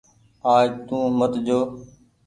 آج تو مت جو۔